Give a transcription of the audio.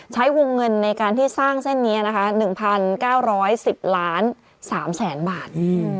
ใช้วงเงินในการที่สร้างเส้นนี้นะคะ๑๙๑๐ล้าน๓แสนบาท